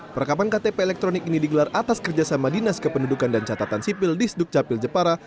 perekaman ktp elektronik ini digelar atas kerjasama dinas kependudukan dan catatan sipil di sdukcapil jepara